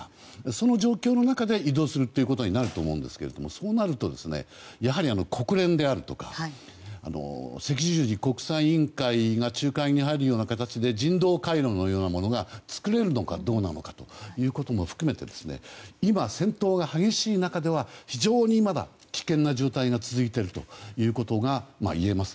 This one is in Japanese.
その状況の中で移動するということになると思うんですがそうなると、やはり国連であるとか赤十字国際委員会が仲介に入るような形で人道回廊のようなものが作れるのかどうなのかも含めて今、戦闘が激しい中では非常にまだ危険な状態が続いているということが言えそうです。